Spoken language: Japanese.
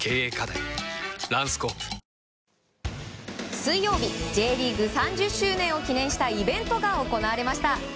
水曜日Ｊリーグ３０周年を記念したイベントが行われました。